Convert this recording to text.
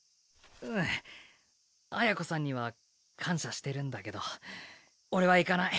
うん綾子さんには感謝してるんだけど俺は行かない。